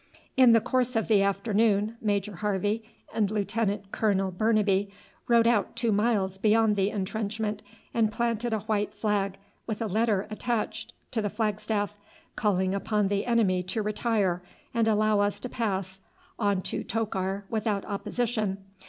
In the course of the afternoon Major Harvey and Lieutenant colonel Burnaby rode out two miles beyond the intrenchment and planted a white flag with a letter attached to the flagstaff, calling upon the enemy to retire and allow us to pass on to Tokar without opposition.